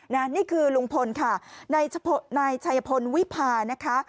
นี่คือลุงพลค่ะนายชัยพลวิพานะคะ